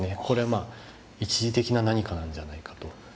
これは一時的な何かなんじゃないかと。